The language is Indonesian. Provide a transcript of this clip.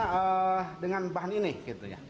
karena dengan bahan ini gitu ya